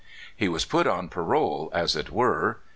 He was put on parole, as it were.